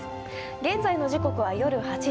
現在の時刻は夜８時。